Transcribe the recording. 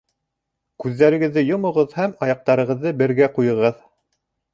Күҙҙәрегеҙҙе йомоғоҙ һәм аяҡтарығыҙҙы бергә ҡуйығыҙ